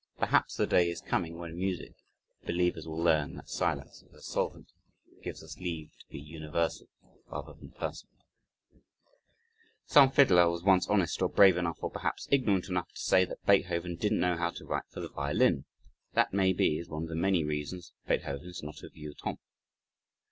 Perhaps the day is coming when music believers will learn "that silence is a solvent ... that gives us leave to be universal" rather than personal. Some fiddler was once honest or brave enough, or perhaps ignorant enough, to say that Beethoven didn't know how to write for the violin, that, maybe, is one of the many reasons Beethoven is not a Vieuxtemps.